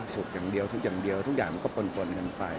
สุขอย่างเดียวทุกข์อย่างเดียวทุกอย่างมันก็ปนกันไป